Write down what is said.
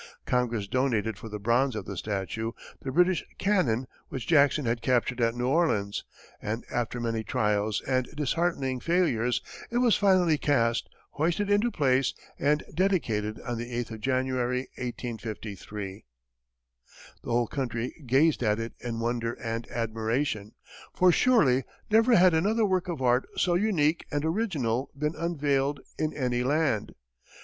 Congress donated for the bronze of the statue the British cannon which Jackson had captured at New Orleans, and after many trials and disheartening failures, it was finally cast, hoisted into place, and dedicated on the eighth of January, 1853. The whole country gazed at it in wonder and admiration, for surely never had another work of art so unique and original been unveiled in any land.